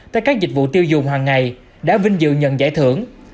tới các dịch vụ tiêu dùng hàng ngày đã vinh dự nhận giải thưởng